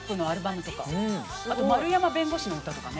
あと丸山弁護士の歌とかね。